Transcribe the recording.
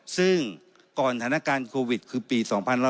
ซึ่งก่อนธนการณ์โควิดคือปี๒๐๒๒